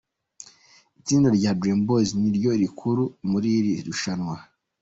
Itsinda rya Dream Boys niryo rikuru muri iri rushanwa.